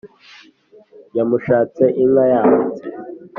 yamushatse inka yahatse,